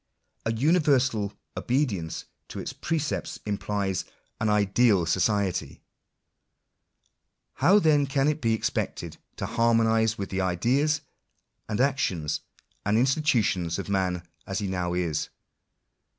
A universal obedienoe to its precepts implies an ideal society. How then can it be expected to harmonise with the ideas, and actions, and institu tions of man as he now is